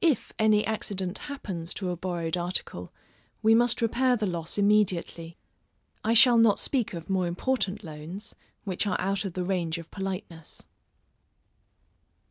If any accident happens to a borrowed article, we must repair the loss immediately. I shall not speak of more important loans, which are out of the range of politeness.